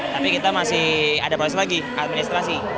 tapi kita masih ada proses lagi administrasi